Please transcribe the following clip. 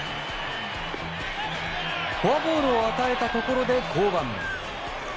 フォアボールを与えたところで降板。